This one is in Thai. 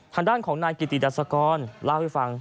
ทางด้านของนายกิติดัศกรเล่าให้ฟัง